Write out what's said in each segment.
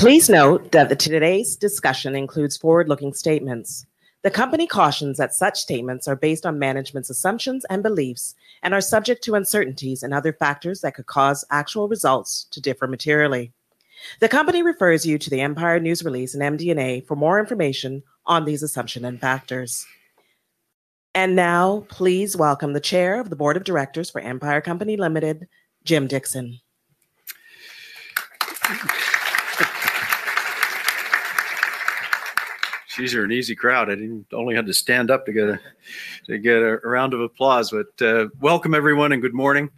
Please note that today's discussion includes forward-looking statements. The company cautions that such statements are based on management's assumptions and beliefs and are subject to uncertainties and other factors that could cause actual results to differ materially. The company refers you to the Empire News release and MD&A for more information on these assumptions and factors. Please welcome the Chair of the Board of Directors for Empire Company Limited, Jim Dickson. She's here, an easy crowd. I didn't even have to stand up to get a round of applause. Welcome, everyone, and good morning,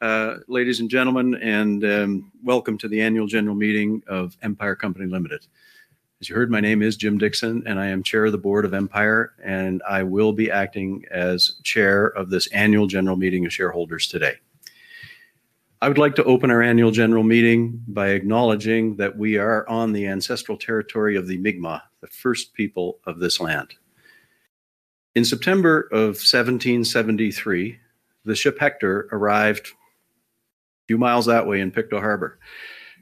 ladies and gentlemen, and welcome to the annual general meeting of Empire Company Limited. As you heard, my name is Jim Dickson, and I am Chair of the Board of Empire, and I will be acting as Chair of this annual general meeting of shareholders today. I would like to open our annual general meeting by acknowledging that we are on the ancestral territory of the Mi'kmaq, the first people of this land. In September of 1773, the ship Hector arrived a few miles that way in Pictou Harbour,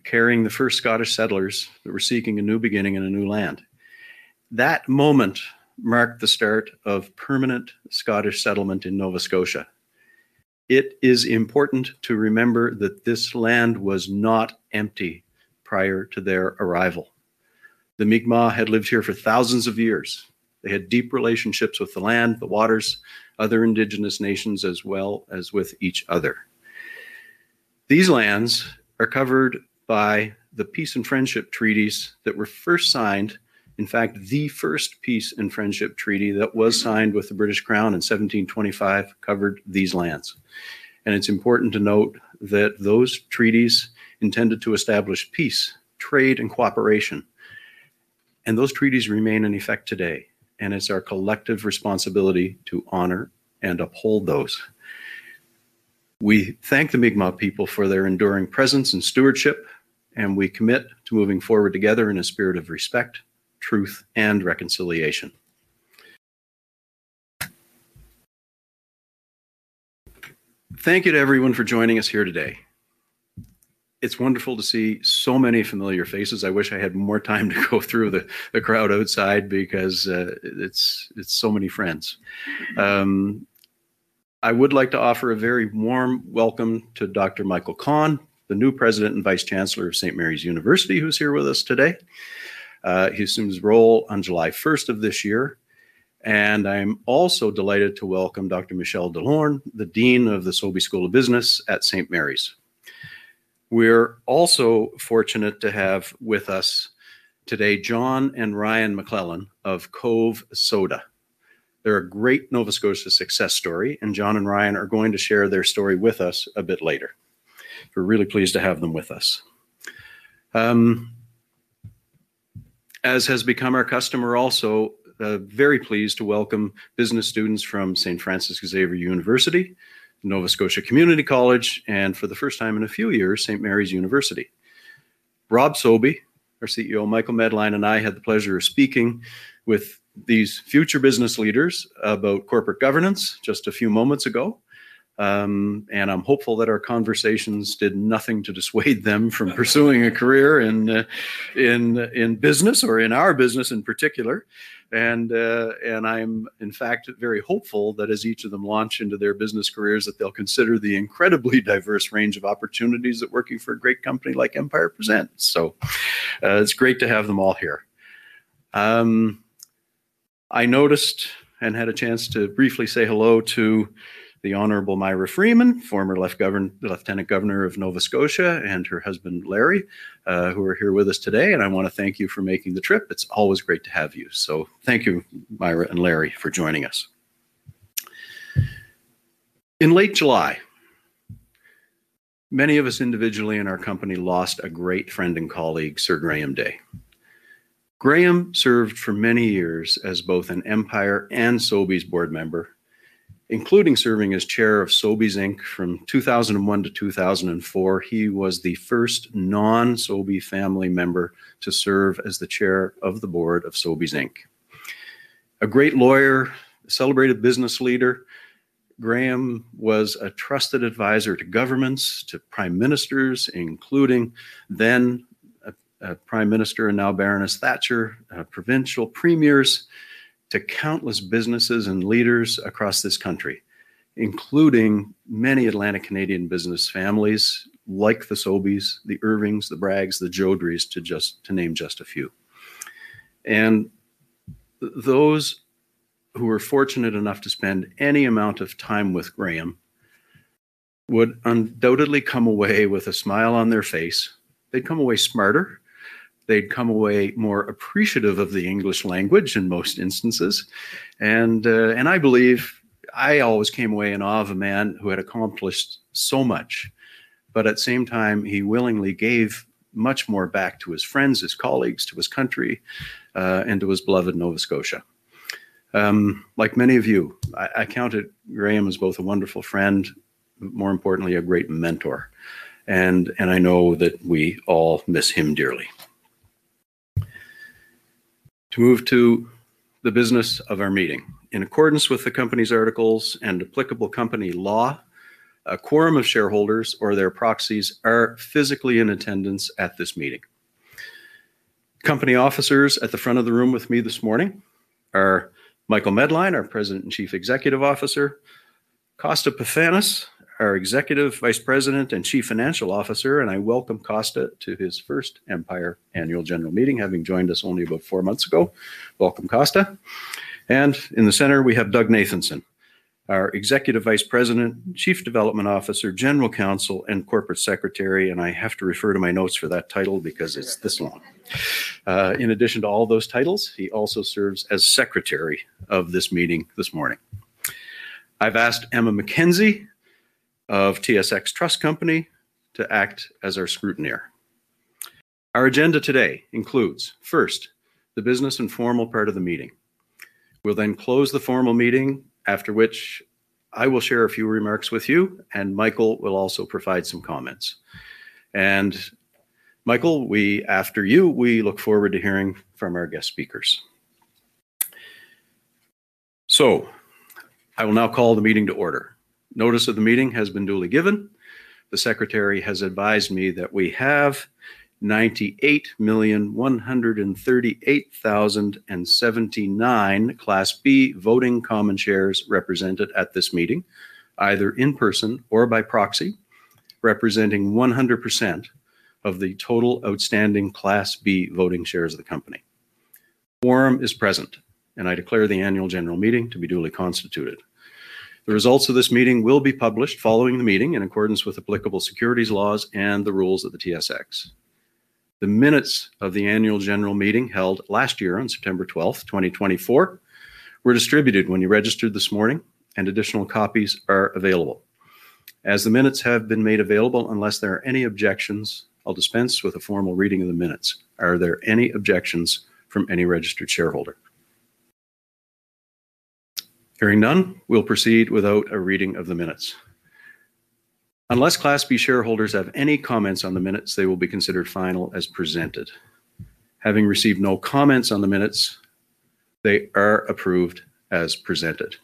carrying the first Scottish settlers that were seeking a new beginning in a new land. That moment marked the start of permanent Scottish settlement in Nova Scotia. It is important to remember that this land was not empty prior to their arrival. The Mi'kmaq had lived here for thousands of years. They had deep relationships with the land, the waters, and other Indigenous nations, as well as with each other. These lands are covered by the Peace and Friendship Treaties that were first signed. In fact, the first Peace and Friendship Treaty that was signed with the British Crown in 1725 covered these lands. It's important to note that those treaties intended to establish peace, trade, and cooperation. Those treaties remain in effect today, and it's our collective responsibility to honor and uphold those. We thank the Mi'kmaq people for their enduring presence and stewardship, and we commit to moving forward together in a spirit of respect, truth, and reconciliation. Thank you to everyone for joining us here today. It's wonderful to see so many familiar faces. I wish I had more time to go through the crowd outside because it's so many friends. I would like to offer a very warm welcome to Dr. Michael Kahn, the new President and Vice Chancellor of St. Mary's University, who's here with us today. He assumes his role on July 1 of this year. I'm also delighted to welcome Dr. Michelle DeLorme, the Dean of the Sobey School of Business at St. Mary's. We're also fortunate to have with us today John and Ryan McClellan of Cove Soda. They're a great Nova Scotia success story, and John and Ryan are going to share their story with us a bit later. We're really pleased to have them with us. As has become our custom, also very pleased to welcome business students from St. Francis Xavier University, Nova Scotia Community College, and for the first time in a few years, St. Mary’s University. Rob Sobey, our CEO, Michael Medline, and I had the pleasure of speaking with these future business leaders about corporate governance just a few moments ago. I’m hopeful that our conversations did nothing to dissuade them from pursuing a career in business, or in our business in particular. I’m, in fact, very hopeful that as each of them launch into their business careers, they’ll consider the incredibly diverse range of opportunities that working for a great company like Empire presents. It’s great to have them all here. I noticed and had a chance to briefly say hello to the Honourable Myra Freeman, former Lieutenant Governor of Nova Scotia, and her husband, Larry, who are here with us today. I want to thank you for making the trip. It’s always great to have you. Thank you, Myra and Larry, for joining us. In late July, many of us individually in our company lost a great friend and colleague, Sir Graham Day. Graham served for many years as both an Empire and Sobeys board member, including serving as Chair of Sobeys Inc. From 2001 to 2004, he was the first non-Sobey family member to serve as the Chair of the Board of Sobeys Inc. A great lawyer, a celebrated business leader, Graham was a trusted advisor to governments, to Prime Ministers, including then Prime Minister and now Baroness Thatcher, provincial premiers, to countless businesses and leaders across this country, including many Atlantic Canadian business families like the Sobeys, the Irvings, the Braggs, the Jodrys, to name just a few. Those who were fortunate enough to spend any amount of time with Graham would undoubtedly come away with a smile on their face. They’d come away smarter. They’d come away more appreciative of the English language in most instances. I believe I always came away in awe of a man who had accomplished so much. At the same time, he willingly gave much more back to his friends, his colleagues, to his country, and to his beloved Nova Scotia. Like many of you, I counted Graham as both a wonderful friend, more importantly, a great mentor. I know that we all miss him dearly. To move to the business of our meeting. In accordance with the company’s articles and applicable company law, a quorum of shareholders or their proxies are physically in attendance at this meeting. Company officers at the front of the room with me this morning are Michael Medline, our President and Chief Executive Officer, Costa Pefanis, our Executive Vice President and Chief Financial Officer. I welcome Costa to his first Empire annual general meeting, having joined us only about four months ago. Welcome, Costa. In the center, we have Doug Nathanson, our Executive Vice President, Chief Development Officer, General Counsel, and Corporate Secretary. I have to refer to my notes for that title because it's this long. In addition to all those titles, he also serves as Secretary of this meeting this morning. I've asked Emma McKenzie of TSX Trust Company to act as our scrutineer. Our agenda today includes, first, the business and formal part of the meeting. We'll then close the formal meeting, after which I will share a few remarks with you, and Michael will also provide some comments. Michael, after you, we look forward to hearing from our guest speakers. I will now call the meeting to order. Notice of the meeting has been duly given. The Secretary has advised me that we have 98,138,079 Class B voting common shares represented at this meeting, either in person or by proxy, representing 100% of the total outstanding Class B voting shares of the company. The quorum is present, and I declare the annual general meeting to be duly constituted. The results of this meeting will be published following the meeting in accordance with applicable securities laws and the rules of the TSX. The minutes of the annual general meeting held last year on September 12th, 2024, were distributed when you registered this morning, and additional copies are available. As the minutes have been made available, unless there are any objections, I'll dispense with a formal reading of the minutes. Are there any objections from any registered shareholder? Hearing none, we'll proceed without a reading of the minutes. Unless Class B shareholders have any comments on the minutes, they will be considered final as presented. Having received no comments on the minutes, they are approved as presented.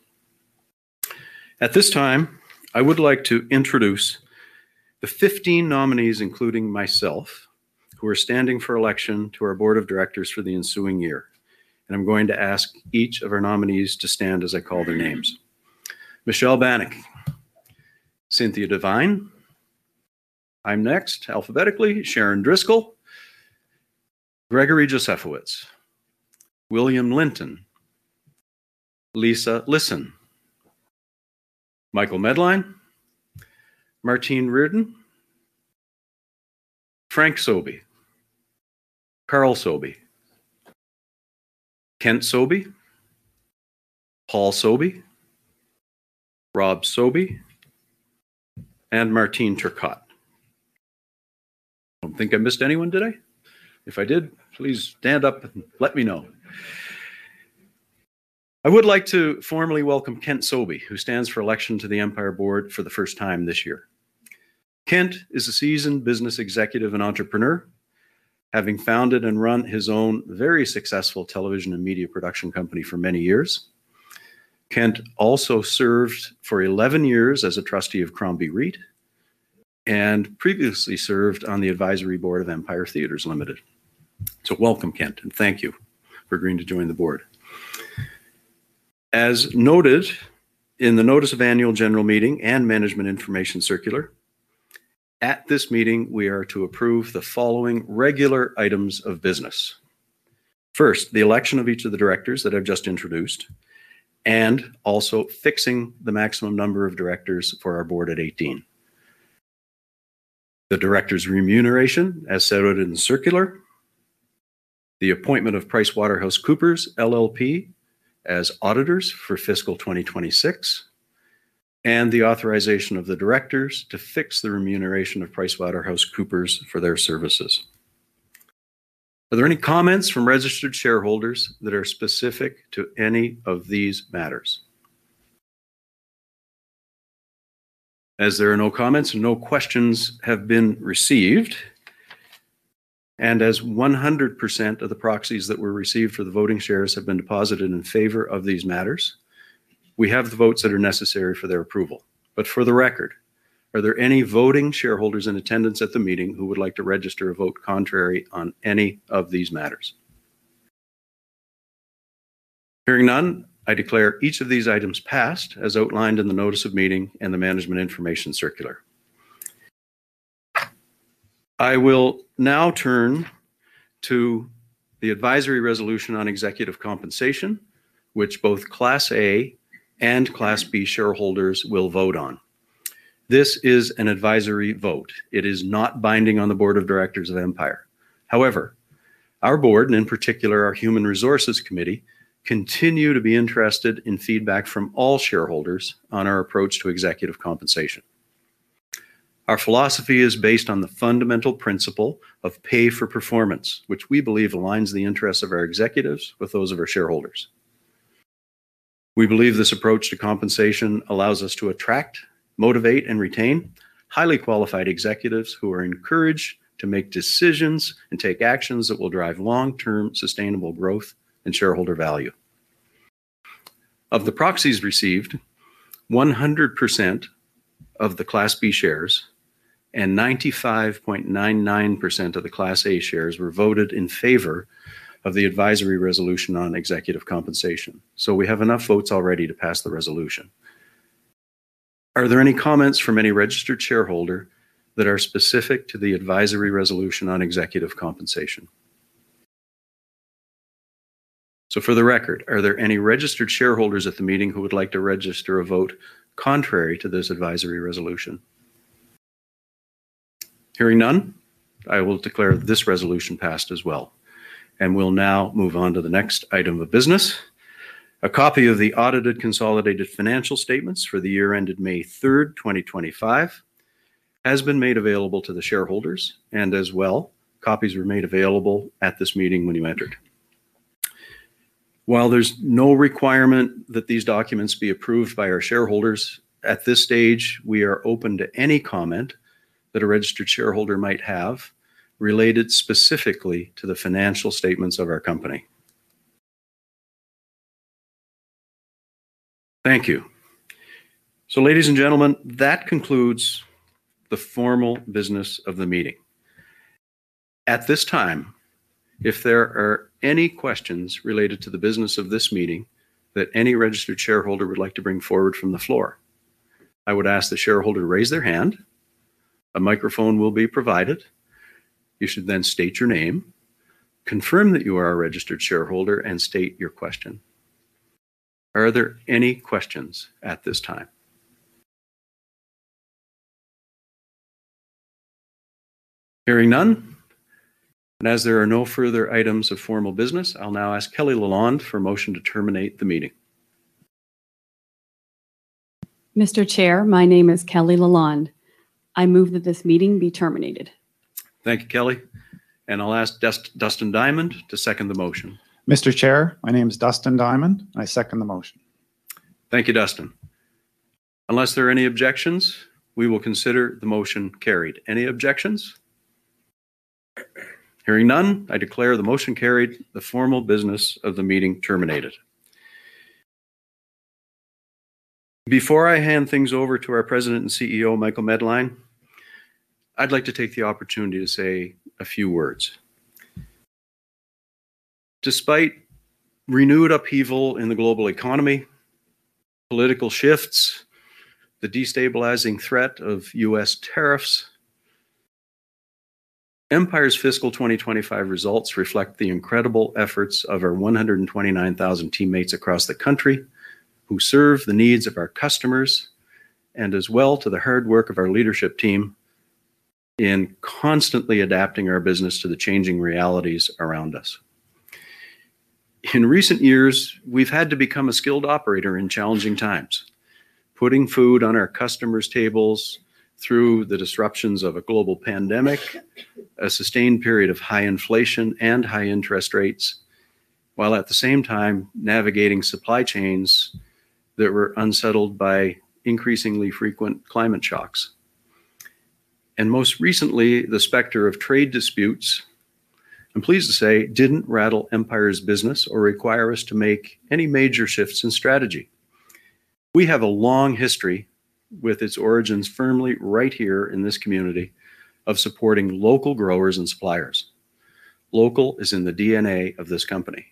At this time, I would like to introduce the 15 nominees, including myself, who are standing for election to our Board of Directors for the ensuing year. I'm going to ask each of our nominees to stand as I call their names. Michelle Bannick, Cynthia Devine. I'm next, alphabetically, Sharon Driscoll, Gregory Josephowitz, William Linton, Lisa Lisson, Michael Medline, Martin Ridden, Frank Sobey, Karl Sobey, Kent Sobey, Paul Sobey, Rob Sobey, and Martin Tricott. I don't think I missed anyone, did I? If I did, please stand up and let me know. I would like to formally welcome Kent Sobey, who stands for election to the Empire Board for the first time this year. Kent is a seasoned business executive and entrepreneur, having founded and run his own very successful television and media production company for many years. Kent also served for 11 years as a trustee of Crombie Reit and previously served on the Advisory Board of Empire Theatres Limited. Welcome, Kent, and thank you for agreeing to join the Board. As noted in the notice of annual general meeting and management information circular, at this meeting, we are to approve the following regular items of business. First, the election of each of the directors that I've just introduced, and also fixing the maximum number of directors for our Board at 18. The directors' remuneration, as set out in the circular, the appointment of PricewaterhouseCoopers LLP as auditors for fiscal 2026, and the authorization of the directors to fix the remuneration of PricewaterhouseCoopers for their services. Are there any comments from registered shareholders that are specific to any of these matters? As there are no comments, no questions have been received. As 100% of the proxies that were received for the voting shares have been deposited in favor of these matters, we have the votes that are necessary for their approval. For the record, are there any voting shareholders in attendance at the meeting who would like to register a vote contrary on any of these matters? Hearing none, I declare each of these items passed as outlined in the notice of meeting and the management information circular. I will now turn to the advisory resolution on executive compensation, which both Class A and Class B shareholders will vote on. This is an advisory vote. It is not binding on the Board of Directors of Empire. However, our Board, and in particular our Human Resources Committee, continue to be interested in feedback from all shareholders on our approach to executive compensation. Our philosophy is based on the fundamental principle of pay for performance, which we believe aligns the interests of our executives with those of our shareholders. We believe this approach to compensation allows us to attract, motivate, and retain highly qualified executives who are encouraged to make decisions and take actions that will drive long-term sustainable growth and shareholder value. Of the proxies received, 100% of the Class B shares and 95.99% of the Class A shares were voted in favor of the advisory resolution on executive compensation. We have enough votes already to pass the resolution. Are there any comments from any registered shareholder that are specific to the advisory resolution on executive compensation? For the record, are there any registered shareholders at the meeting who would like to register a vote contrary to this advisory resolution? Hearing none, I will declare this resolution passed as well. We will now move on to the next item of business. A copy of the audited consolidated financial statements for the year ended May 3, 2025, has been made available to the shareholders, and as well, copies were made available at this meeting when you entered. While there's no requirement that these documents be approved by our shareholders, at this stage, we are open to any comment that a registered shareholder might have related specifically to the financial statements of our company. Thank you. Ladies and gentlemen, that concludes the formal business of the meeting. At this time, if there are any questions related to the business of this meeting that any registered shareholder would like to bring forward from the floor, I would ask the shareholder to raise their hand. A microphone will be provided. You should then state your name, confirm that you are a registered shareholder, and state your question. Are there any questions at this time? Hearing none. As there are no further items of formal business, I'll now ask Kelly Laland for a motion to terminate the meeting. Mr. Chair, my name is Kelly LaLande. I move that this meeting be terminated. Thank you, Kelly. I'll ask Dustin Diamond to second the motion. Mr. Chair, my name is Dustin Diamond. I second the motion. Thank you, Dustin. Unless there are any objections, we will consider the motion carried. Any objections? Hearing none, I declare the motion carried. The formal business of the meeting terminated. Before I hand things over to our President and CEO, Michael Medline, I'd like to take the opportunity to say a few words. Despite renewed upheaval in the global economy, political shifts, the destabilizing threat of U.S. tariffs, Empire's fiscal 2025 results reflect the incredible efforts of our 129,000 teammates across the country who serve the needs of our customers and as well to the hard work of our leadership team in constantly adapting our business to the changing realities around us. In recent years, we've had to become a skilled operator in challenging times, putting food on our customers' tables through the disruptions of a global pandemic, a sustained period of high inflation and high interest rates, while at the same time navigating supply chains that were unsettled by increasingly frequent climate shocks. Most recently, the specter of trade disputes, I'm pleased to say, didn't rattle Empire's business or require us to make any major shifts in strategy. We have a long history, with its origins firmly right here in this community, of supporting local growers and suppliers. Local is in the DNA of this company.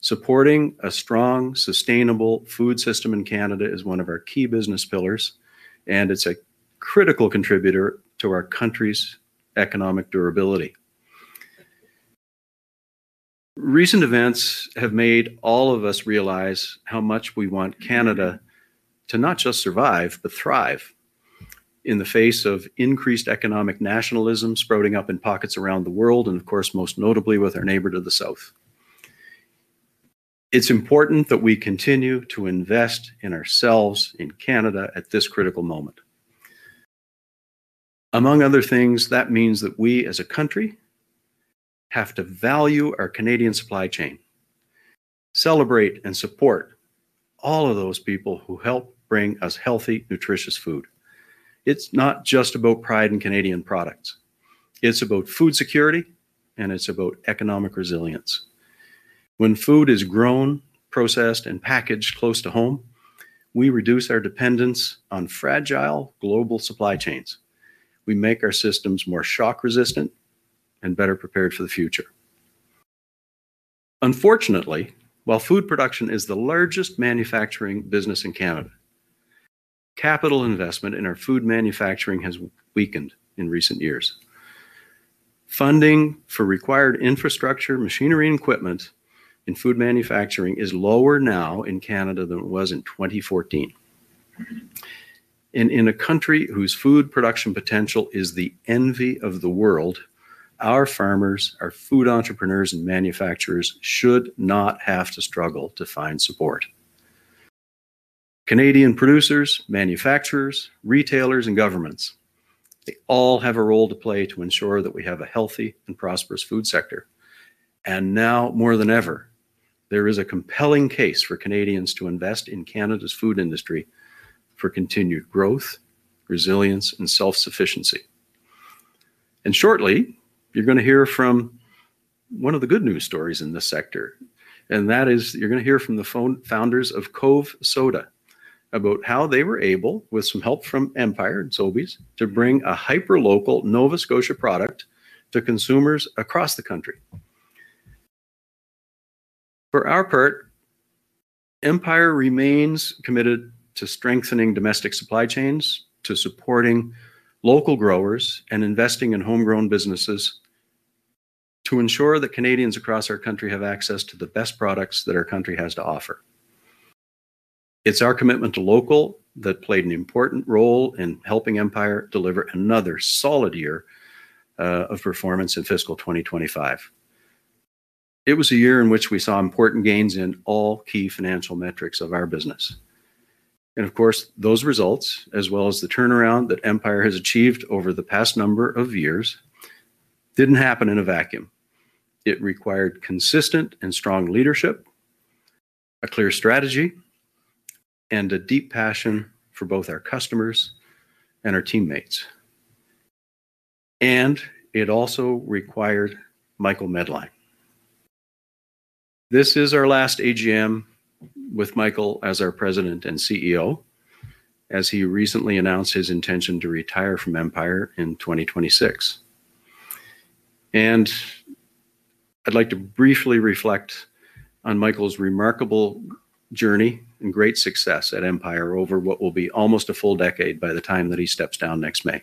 Supporting a strong, sustainable food system in Canada is one of our key business pillars, and it's a critical contributor to our country's economic durability. Recent events have made all of us realize how much we want Canada to not just survive, but thrive in the face of increased economic nationalism sprouting up in pockets around the world, and of course, most notably with our neighbor to the south. It's important that we continue to invest in ourselves in Canada at this critical moment. Among other things, that means that we, as a country, have to value our Canadian supply chain, celebrate and support all of those people who help bring us healthy, nutritious food. It's not just about pride in Canadian products. It's about food security, and it's about economic resilience. When food is grown, processed, and packaged close to home, we reduce our dependence on fragile global supply chains. We make our systems more shock-resistant and better prepared for the future. Unfortunately, while food production is the largest manufacturing business in Canada, capital investment in our food manufacturing has weakened in recent years. Funding for required infrastructure, machinery, and equipment in food manufacturing is lower now in Canada than it was in 2014. In a country whose food production potential is the envy of the world, our farmers, our food entrepreneurs, and manufacturers should not have to struggle to find support. Canadian producers, manufacturers, retailers, and governments all have a role to play to ensure that we have a healthy and prosperous food sector. Now more than ever, there is a compelling case for Canadians to invest in Canada's food industry for continued growth, resilience, and self-sufficiency. Shortly, you're going to hear from one of the good news stories in this sector. That is, you're going to hear from the founders of Cove Soda about how they were able, with some help from Empire and Sobeys, to bring a hyper-local Nova Scotia product to consumers across the country. For our part, Empire remains committed to strengthening domestic supply chains, supporting local growers, and investing in homegrown businesses to ensure that Canadians across our country have access to the best products that our country has to offer. It's our commitment to local that played an important role in helping Empire deliver another solid year of performance in fiscal 2025. It was a year in which we saw important gains in all key financial metrics of our business. Those results, as well as the turnaround that Empire has achieved over the past number of years, didn't happen in a vacuum. It required consistent and strong leadership, a clear strategy, and a deep passion for both our customers and our teammates. It also required Michael Medline. This is our last AGM with Michael as our President and CEO, as he recently announced his intention to retire from Empire in 2026. I'd like to briefly reflect on Michael's remarkable journey and great success at Empire over what will be almost a full decade by the time that he steps down next May.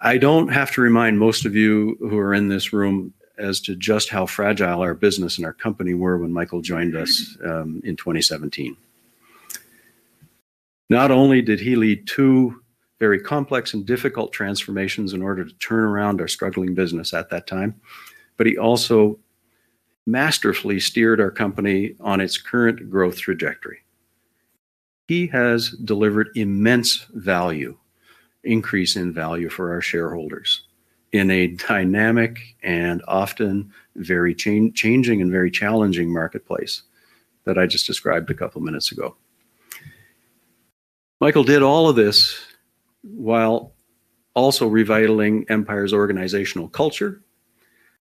I don't have to remind most of you who are in this room as to just how fragile our business and our company were when Michael joined us in 2017. Not only did he lead two very complex and difficult transformations in order to turn around our struggling business at that time, but he also masterfully steered our company on its current growth trajectory. He has delivered immense value, increase in value for our shareholders in a dynamic and often very changing and very challenging marketplace that I just described a couple of minutes ago. Michael did all of this while also revitalizing Empire's organizational culture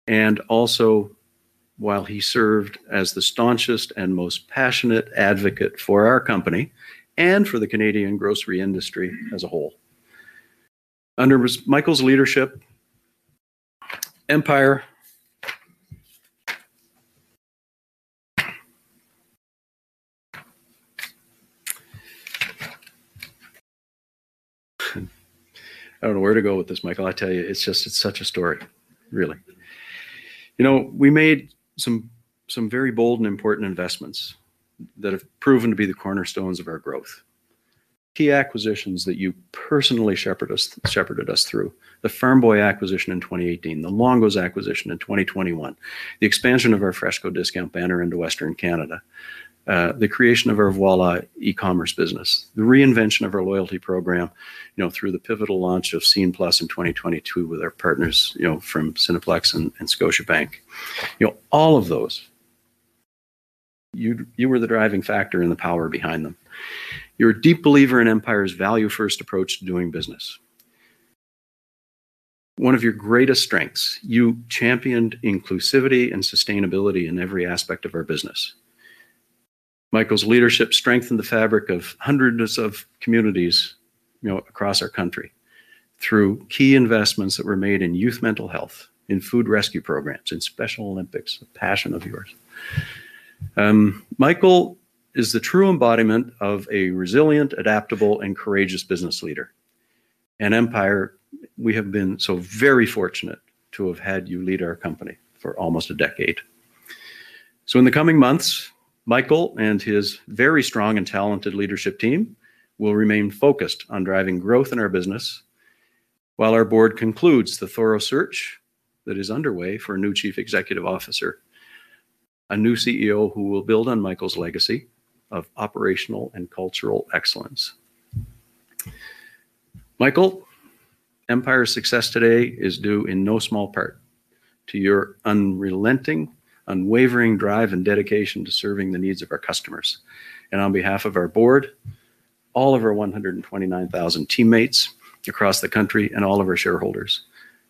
and also while he served as the staunchest and most passionate advocate for our company and for the Canadian grocery industry as a whole. Under Michael's leadership, Empire, I don't know where to go with this, Michael. I tell you, it's just, it's such a story, really. We made some very bold and important investments that have proven to be the cornerstones of our growth. Key acquisitions that you personally shepherded us through: the Farm Boy acquisition in 2018, the Longo’s acquisition in 2021, the expansion of our FreshCo discount banner into Western Canada, the creation of our Voilà e-commerce business, the reinvention of our loyalty program through the pivotal launch of Scene+ in 2022 with our partners from Cineplex and Scotiabank. All of those, you were the driving factor and the power behind them. You're a deep believer in Empire's value-first approach to doing business. One of your greatest strengths, you championed inclusivity and sustainability in every aspect of our business. Michael's leadership strengthened the fabric of hundreds of communities across our country through key investments that were made in youth mental health, in food rescue programs, in Special Olympics, a passion of yours. Michael is the true embodiment of a resilient, adaptable, and courageous business leader. Empire, we have been so very fortunate to have had you lead our company for almost a decade. In the coming months, Michael and his very strong and talented leadership team will remain focused on driving growth in our business while our Board concludes the thorough search that is underway for a new Chief Executive Officer, a new CEO who will build on Michael's legacy of operational and cultural excellence. Michael, Empire's success today is due in no small part to your unrelenting, unwavering drive and dedication to serving the needs of our customers. On behalf of our Board, all of our 129,000 teammates across the country, and all of our shareholders,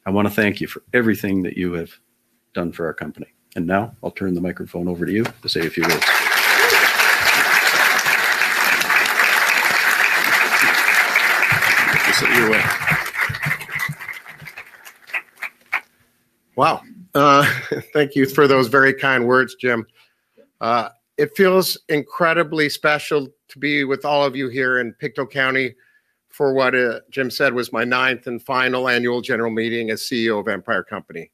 I want to thank you for everything that you have done for our company. Now, I'll turn the microphone over to you to say a few words. Wow. Thank you for those very kind words, Jim. It feels incredibly special to be with all of you here in Pictou County for what, as Jim said, was my ninth and final annual general meeting as CEO of Empire Company Limited.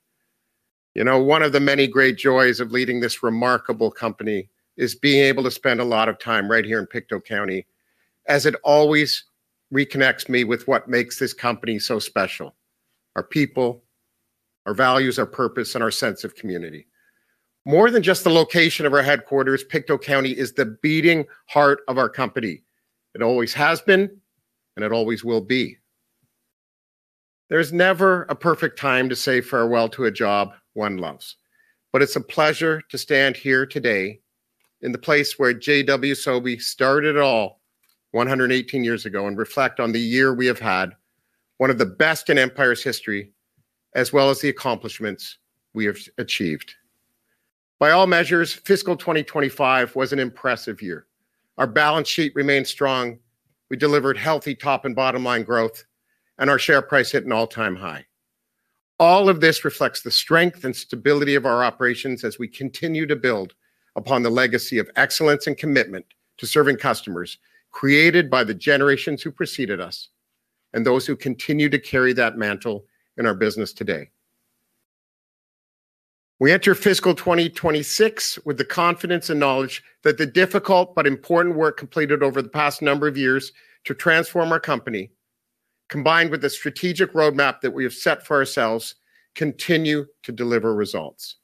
You know, one of the many great joys of leading this remarkable company is being able to spend a lot of time right here in Pictou County, as it always reconnects me with what makes this company so special: our people, our values, our purpose, and our sense of community. More than just the location of our headquarters, Pictou County is the beating heart of our company. It always has been, and it always will be. There's never a perfect time to say farewell to a job one loves. It's a pleasure to stand here today in the place where J.W. Sobey started it all 118 years ago and reflect on the year we have had, one of the best in Empire's history, as well as the accomplishments we have achieved. By all measures, fiscal 2025 was an impressive year. Our balance sheet remains strong. We delivered healthy top and bottom line growth, and our share price hit an all-time high. All of this reflects the strength and stability of our operations as we continue to build upon the legacy of excellence and commitment to serving customers created by the generations who preceded us and those who continue to carry that mantle in our business today. We enter fiscal 2026 with the confidence and knowledge that the difficult but important work completed over the past number of years to transform our company, combined with the strategic roadmap that we have set for ourselves, continue to deliver results.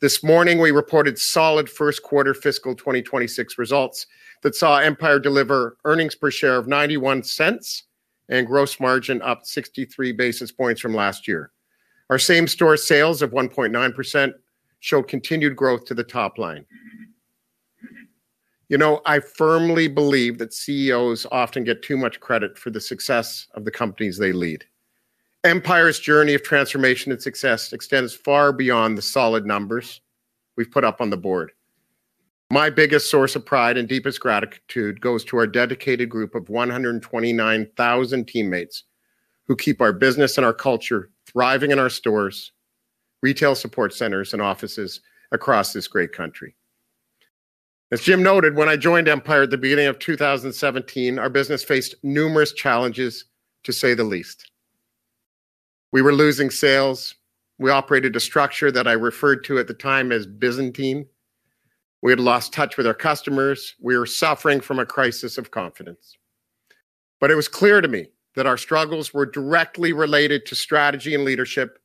This morning, we reported solid first quarter fiscal 2026 results that saw Empire deliver earnings per share of $0.91 and gross margin up 63 basis points from last year. Our same-store sales of 1.9% show continued growth to the top line. You know, I firmly believe that CEOs often get too much credit for the success of the companies they lead. Empire's journey of transformation and success extends far beyond the solid numbers we've put up on the Board. My biggest source of pride and deepest gratitude goes to our dedicated group of 129,000 teammates who keep our business and our culture thriving in our stores, retail support centers, and offices across this great country. As Jim noted, when I joined Empire at the beginning of 2017, our business faced numerous challenges, to say the least. We were losing sales. We operated a structure that I referred to at the time as Byzantine. We had lost touch with our customers. We were suffering from a crisis of confidence. It was clear to me that our struggles were directly related to strategy and leadership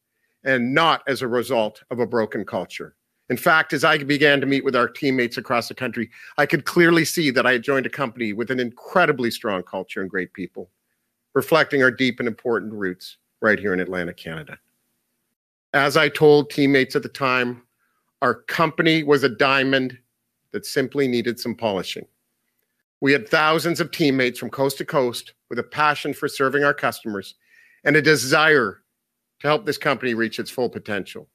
and not as a result of a broken culture. In fact, as I began to meet with our teammates across the country, I could clearly see that I had joined a company with an incredibly strong culture and great people, reflecting our deep and important roots right here in Atlantic Canada. As I told teammates at the time, our company was a diamond that simply needed some polishing. We had thousands of teammates from coast to coast with a passion for serving our customers and a desire to help this company reach its full potential.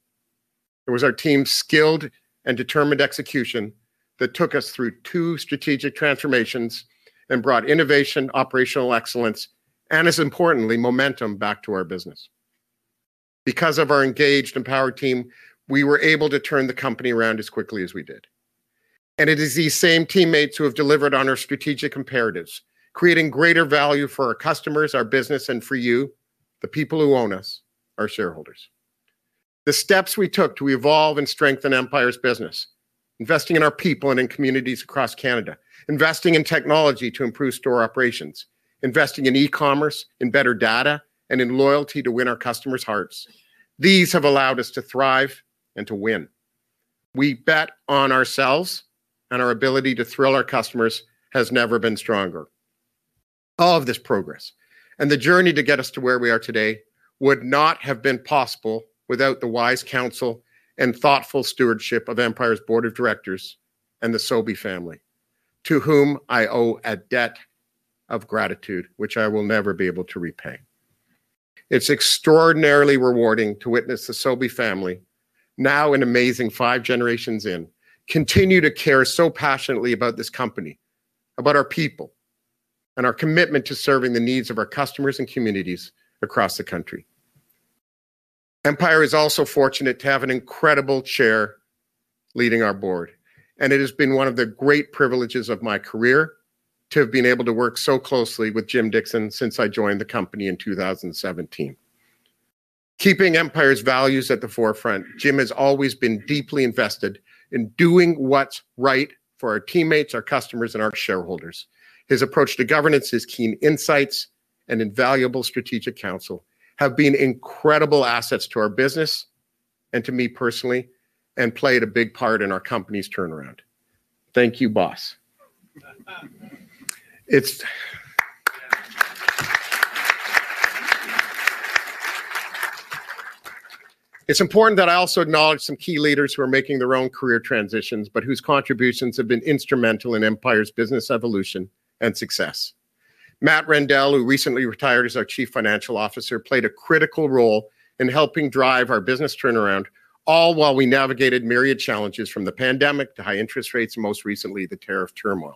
It was our team's skilled and determined execution that took us through two strategic transformations and brought innovation, operational excellence, and, as importantly, momentum back to our business. Because of our engaged and empowered team, we were able to turn the company around as quickly as we did. It is these same teammates who have delivered on our strategic imperatives, creating greater value for our customers, our business, and for you, the people who own us, our shareholders. The steps we took to evolve and strengthen Empire's business, investing in our people and in communities across Canada, investing in technology to improve store operations, investing in e-commerce, in better data, and in loyalty to win our customers' hearts, these have allowed us to thrive and to win. We bet on ourselves, and our ability to thrill our customers has never been stronger. All of this progress and the journey to get us to where we are today would not have been possible without the wise counsel and thoughtful stewardship of Empire's Board of Directors and the Sobey family, to whom I owe a debt of gratitude which I will never be able to repay. It's extraordinarily rewarding to witness the Sobey family, now an amazing five generations in, continue to care so passionately about this company, about our people, and our commitment to serving the needs of our customers and communities across the country. Empire is also fortunate to have an incredible chair leading our Board, and it has been one of the great privileges of my career to have been able to work so closely with Jim Dickson since I joined the company in 2017. Keeping Empire's values at the forefront, Jim has always been deeply invested in doing what's right for our teammates, our customers, and our shareholders. His approach to governance, his keen insights, and invaluable strategic counsel have been incredible assets to our business and to me personally and played a big part in our company's turnaround. Thank you, Boss. It's important that I also acknowledge some key leaders who are making their own career transitions, but whose contributions have been instrumental in Empire's business evolution and success. Matt Reindel, who recently retired as our Chief Financial Officer, played a critical role in helping drive our business turnaround, all while we navigated myriad challenges from the pandemic to high interest rates and most recently the tariff turmoil.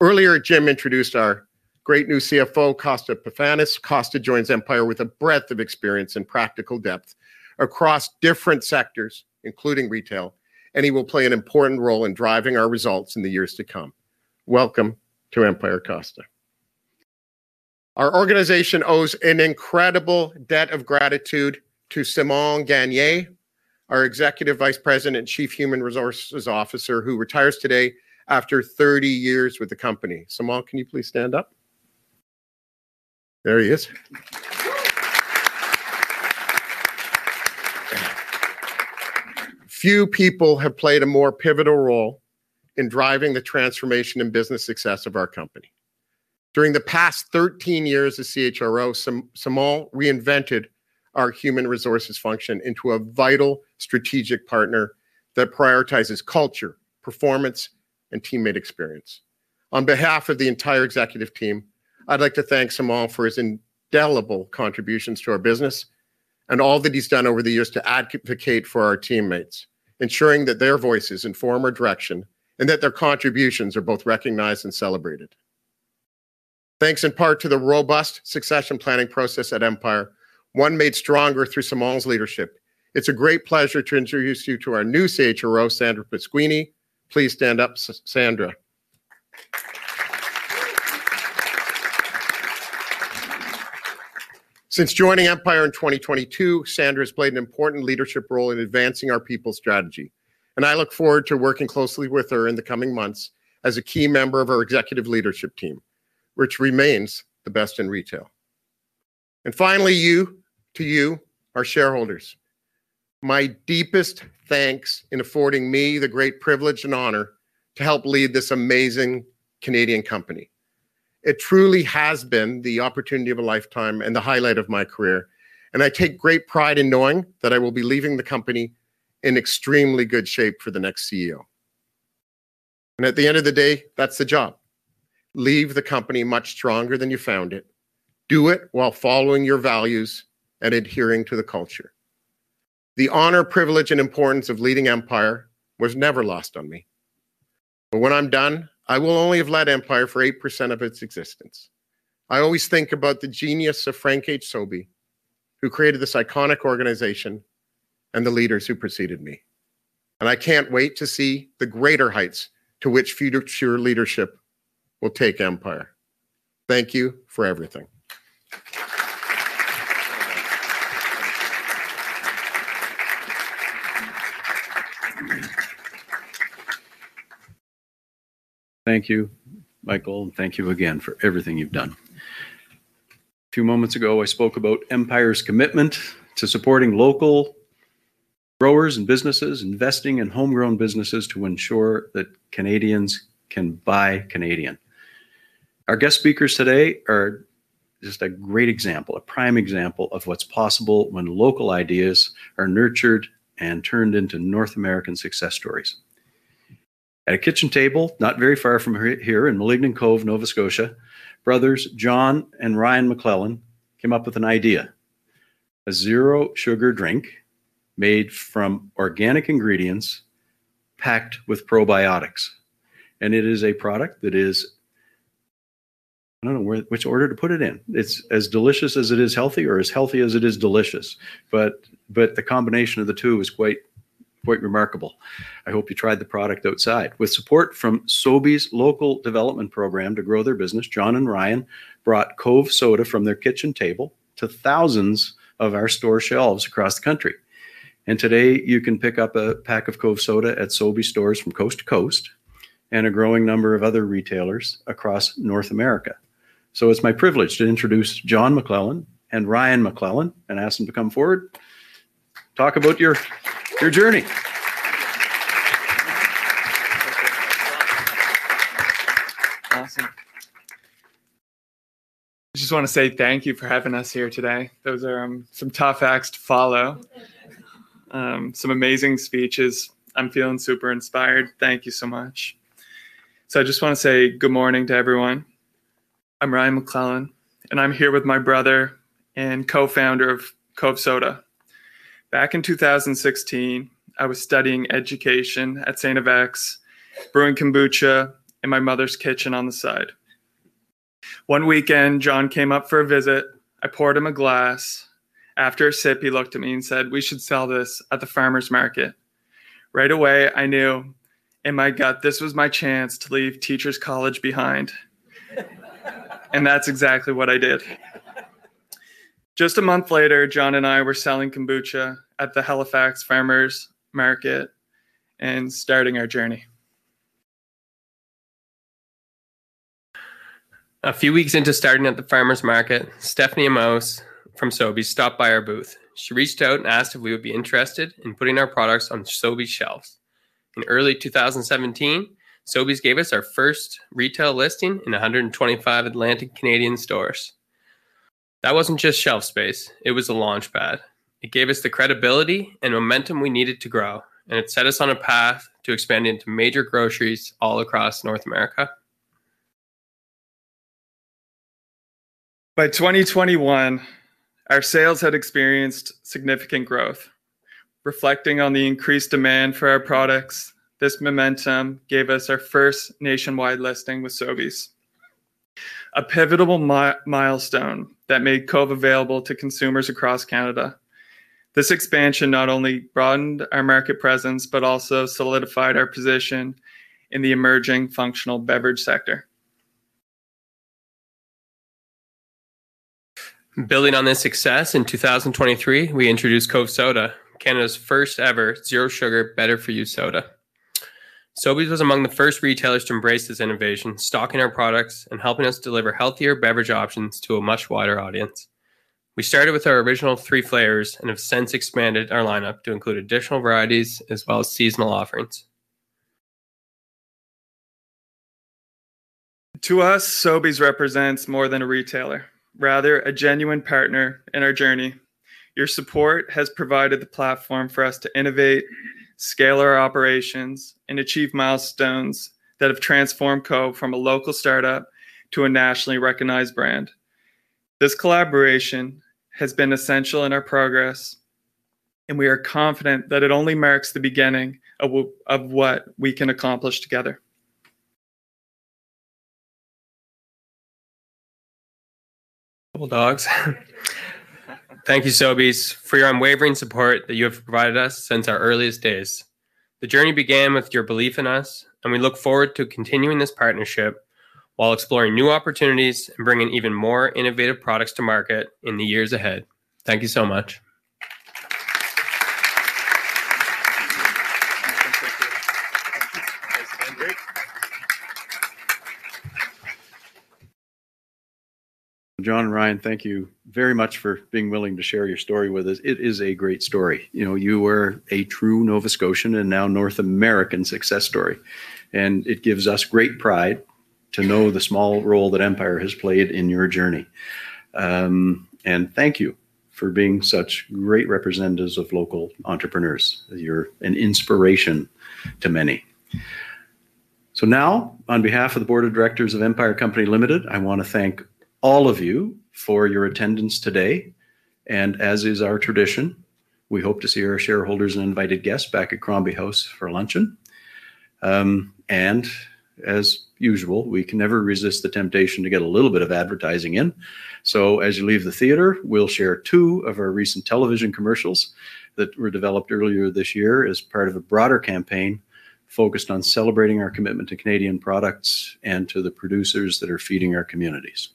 Earlier, Jim introduced our great new CFO, Costa Pefanis. Costa joins Empire with a breadth of experience and practical depth across different sectors, including retail, and he will play an important role in driving our results in the years to come. Welcome to Empire, Costa. Our organization owes an incredible debt of gratitude to Samal Gagné, our Executive Vice President and Chief Human Resources Officer, who retires today after 30 years with the company. Samal, can you please stand up? There he is. Few people have played a more pivotal role in driving the transformation and business success of our company. During the past 13 years as CHRO, Samal reinvented our human resources function into a vital strategic partner that prioritizes culture, performance, and teammate experience. On behalf of the entire executive team, I'd like to thank Samal for his indelible contributions to our business and all that he's done over the years to advocate for our teammates, ensuring that their voices inform our direction and that their contributions are both recognized and celebrated. Thanks in part to the robust succession planning process at Empire, one made stronger through Samal's leadership. It's a great pleasure to introduce you to our new CHRO, Sandra Pasquini. Please stand up, Sandra. Since joining Empire in 2022, Sandra has played an important leadership role in advancing our people strategy, and I look forward to working closely with her in the coming months as a key member of our executive leadership team, which remains the best in retail. Finally, to you, our shareholders. My deepest thanks in affording me the great privilege and honor to help lead this amazing Canadian company. It truly has been the opportunity of a lifetime and the highlight of my career, and I take great pride in knowing that I will be leaving the company in extremely good shape for the next CEO. At the end of the day, that's the job. Leave the company much stronger than you found it. Do it while following your values and adhering to the culture. The honor, privilege, and importance of leading Empire was never lost on me. When I'm done, I will only have led Empire for 8% of its existence. I always think about the genius of Frank H. Sobey, who created this iconic organization, and the leaders who preceded me. I can't wait to see the greater heights to which future leadership will take Empire. Thank you for everything. Thank you, Michael, and thank you again for everything you've done. Moments ago, I spoke about Empire's commitment to supporting local growers and businesses, investing in homegrown businesses to ensure that Canadians can buy Canadian. Our guest speakers today are just a great example, a prime example of what's possible when local ideas are nurtured and turned into North American success stories. At a kitchen table not very far from here in Malignant Cove, Nova Scotia, brothers John and Ryan McClellan came up with an idea – a zero-sugar drink made from organic ingredients packed with probiotics. It is a product that is, I don't know which order to put it in. It's as delicious as it is healthy or as healthy as it is delicious. The combination of the two is quite remarkable. I hope you tried the product outside. With support from Sobeys' local development program to grow their business, John and Ryan brought Cove Soda from their kitchen table to thousands of our store shelves across the country. Today, you can pick up a pack of Cove Soda at Sobeys stores from coast to coast and a growing number of other retailers across North America. It's my privilege to introduce John McLellan and Ryan McLellan and ask them to come forward and talk about your journey. Awesome. I just want to say thank you for having us here today. Those are some tough acts to follow. Some amazing speeches. I'm feeling super inspired. Thank you so much. I just want to say good morning to everyone. I'm Ryan McClellan, and I'm here with my brother and co-founder of Cove Soda. Back in 2016, I was studying education at St. Mary's, brewing kombucha in my mother's kitchen on the side. One weekend, John came up for a visit. I poured him a glass. After a sip, he looked at me and said, "We should sell this at the farmer's market." Right away, I knew in my gut this was my chance to leave teacher's college behind. That's exactly what I did. Just a month later, John and I were selling kombucha at the Halifax farmer's market and starting our journey. A few weeks into starting at the farmer's market, Stephanie Amos from Sobeys stopped by our booth. She reached out and asked if we would be interested in putting our products on Sobeys shelves. In early 2017, Sobeys gave us our first retail listing in 125 Atlantic Canadian stores. That wasn't just shelf space. It was a launchpad. It gave us the credibility and momentum we needed to grow, and it set us on a path to expand into major groceries all across North America. By 2021, our sales had experienced significant growth. Reflecting on the increased demand for our products, this momentum gave us our first nationwide listing with Sobeys, a pivotal milestone that made Cove available to consumers across Canada. This expansion not only broadened our market presence but also solidified our position in the emerging functional beverage sector. Building on this success, in 2023, we introduced Cove Soda, Canada's first-ever zero-sugar better-for-you soda. Sobeys was among the first retailers to embrace this innovation, stocking our products and helping us deliver healthier beverage options to a much wider audience. We started with our original three flavors and have since expanded our lineup to include additional varieties as well as seasonal offerings. To us, Sobeys represents more than a retailer, rather a genuine partner in our journey. Your support has provided the platform for us to innovate, scale our operations, and achieve milestones that have transformed Cove from a local startup to a nationally recognized brand. This collaboration has been essential in our progress, and we are confident that it only marks the beginning of what we can accomplish together. Thank you, Sobeys, for your unwavering support that you have provided us since our earliest days. The journey began with your belief in us, and we look forward to continuing this partnership while exploring new opportunities and bringing even more innovative products to market in the years ahead. Thank you so much. John, Ryan, thank you very much for being willing to share your story with us. It is a great story. You know, you were a true Nova Scotian and now North American success story, and it gives us great pride to know the small role that Empire has played in your journey. Thank you for being such great representatives of local entrepreneurs. You're an inspiration to many. On behalf of the Board of Directors of Empire Company Limited, I want to thank all of you for your attendance today. As is our tradition, we hope to see our shareholders and invited guests back at Crombie House for luncheon. As usual, we can never resist the temptation to get a little bit of advertising in. As you leave the theater, we'll share two of our recent television commercials that were developed earlier this year as part of a broader campaign focused on celebrating our commitment to Canadian products and to the producers that are feeding our communities.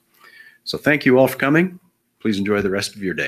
Thank you all for coming. Please enjoy the rest of your day.